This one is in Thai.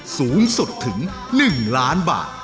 สูงสุดถึง๑ล้านบาท